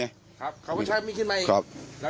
แล้วยังไงต่อครับ